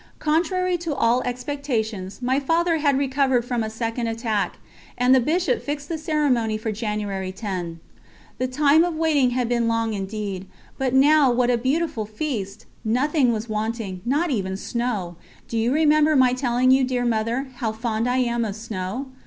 Contrary to all expectations, my Father had recovered from a second attack, and the Bishop fixed the ceremony for January 10. The time of waiting had been long indeed, but now what a beautiful feast! Nothing was wanting, not even snow. Do you remember my telling you, dear Mother, how fond I am of snow?